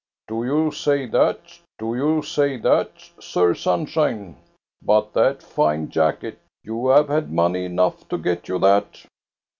Do you say that, do you say that. Sir Sunshine? But that fine jacket, — you have had money enough to get you that?"